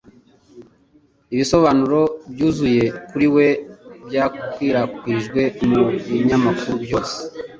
Ibisobanuro byuzuye kuri we byakwirakwijwe mu binyamakuru byose